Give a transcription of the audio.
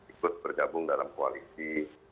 ikut bergabung dalam koalisi